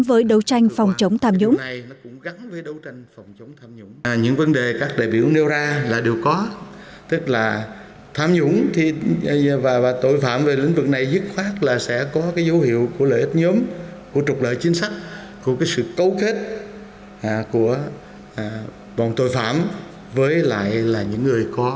với đấu tranh phòng chống tham nhũng